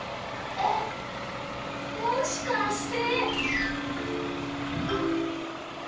えっもしかして。